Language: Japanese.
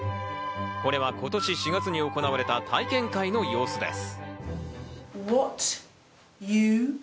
これは今年４月に行われた体験会の様子です。